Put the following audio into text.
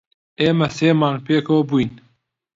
ئێمە سێ مانگ پێکەوە بووین.